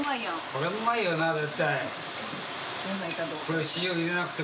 これうまいよな絶対。